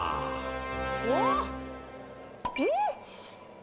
うわっ、うん！